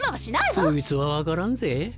そいつは分からんぜ。